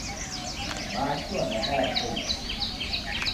Machi wadadaya koisi.